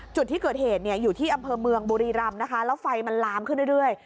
จุดที่เกิดเหตุเนี่ยอยู่ที่อำเภอเมืองบุรีรำนะคะแล้วไฟมันลามขึ้นเรื่อย